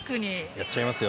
やっちゃいますよ。